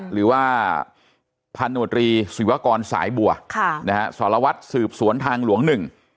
หรือว่าพันโนตรีศิวากรสายบัวค่ะนะฮะสารวัตรสืบสวนทางหลวงหนึ่ง